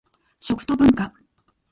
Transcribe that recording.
食と文化